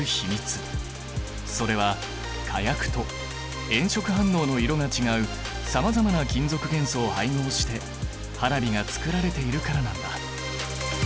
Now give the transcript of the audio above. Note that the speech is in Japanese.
それは火薬と炎色反応の色が違うさまざまな金属元素を配合して花火がつくられているからなんだ。